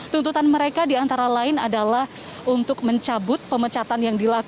tuntutan mereka diantara lain adalah untuk mencabut pemecatan yang dilakukan